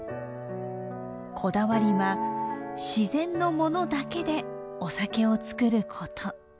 こだわりは自然のものだけでお酒を造ること。